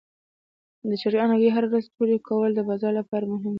د چرګانو هګۍ هره ورځ ټولې کول د بازار لپاره مهم دي.